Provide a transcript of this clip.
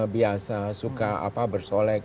biasa suka bersolek